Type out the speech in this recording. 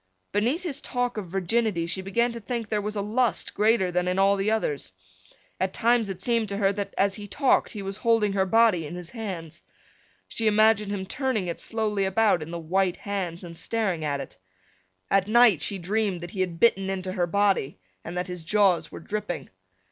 Beneath his talk of virginity she began to think there was a lust greater than in all the others. At times it seemed to her that as he talked he was holding her body in his hands. She imagined him turning it slowly about in the white hands and staring at it. At night she dreamed that he had bitten into her body and that his jaws were dripping.